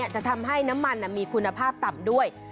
จะทำให้น้ำมันมีคุณภาพต่ำด้วย